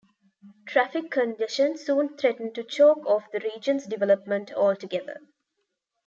Traffic congestion soon threatened to choke off the region's development altogether.